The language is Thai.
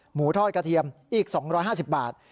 หมูทอดกระเทียมอีก๒๕๐บาท